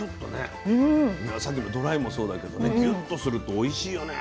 さっきのドライもそうだけどねギュッとするとおいしいよね。